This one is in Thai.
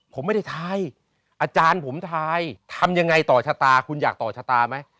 ผมไม่ได้ทายอาจารย์ผมทายทำยังไงต่อชะตาคุณอยากต่อชะตาไหม